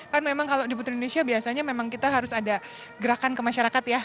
kan memang kalau di putri indonesia biasanya memang kita harus ada gerakan ke masyarakat ya